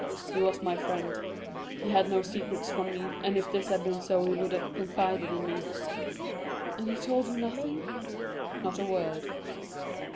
He was my friend: he had no secrets from me, and if this had been so he would have confided in me." "And he told you nothing?" "Not a word."